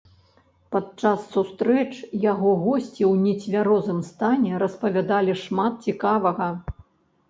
Падчас сустрэч яго госці ў нецвярозым стане распавядалі шмат цікавага.